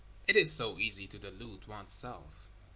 It is so easy to delude one's self.